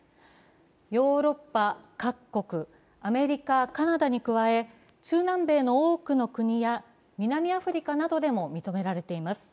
ヨーロッパ各国、アメリカ、カナダに加え中南米の多くの国や南アフリカなどでも認められています。